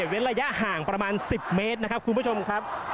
ระยะห่างประมาณ๑๐เมตรนะครับคุณผู้ชมครับ